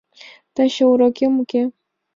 — Таче урокем уке.